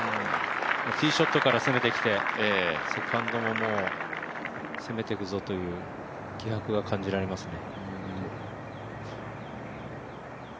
ティーショットから攻めてきてセカンドももう攻めていくぞという気迫が感じられますね。